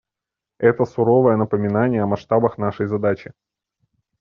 Это суровое напоминание о масштабах нашей задачи.